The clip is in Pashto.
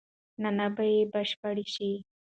شننه به بشپړه شي.